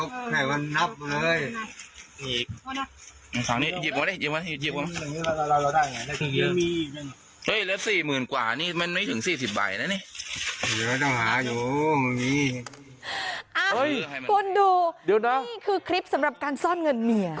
คุณดูนี่คือคลิปสำหรับการซ่อนเงินเมีย